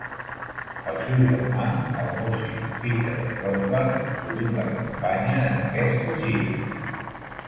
El seu germà, el músic Peter Rothbart, sovint l'acompanya en aquestes gires.